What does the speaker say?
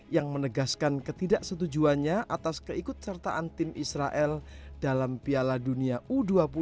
yang menegaskan ketidaksetujuannya atas keikut sertaan tim israel dalam piala dunia u dua puluh